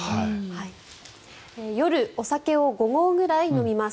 夜、お酒を５合ぐらい飲みます。